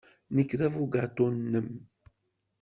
Nekk d abugaṭu-nnem.